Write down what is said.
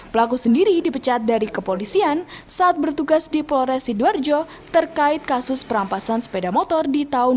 pelaku sendiri dipecat dari kepolisian saat bertugas di polres sidoarjo terkait kasus perampasan sepeda motor di tahun dua ribu dua puluh